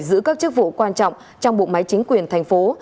giữ các chức vụ quan trọng trong bộ máy chính quyền thành phố